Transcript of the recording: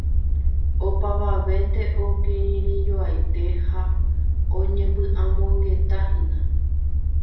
Opavavénte okirirĩjoaite ha oñepy'amongetáhína.